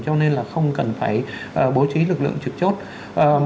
cho nên là không cần phải bố trí lực lượng chức năng